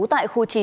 tại khu chín